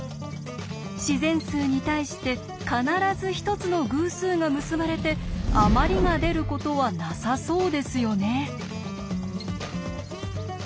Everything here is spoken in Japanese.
自然数に対して必ず１つの偶数が結ばれて「あまり」が出ることはなさそうですよね。